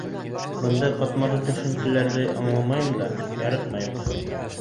Бындай ҡатмарлы төшөнсәләрҙе аңламайым да, яратмайым да.